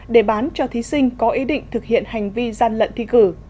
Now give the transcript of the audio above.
để bán cho thí sinh có ý định thực hiện hành vi gian lận thi cử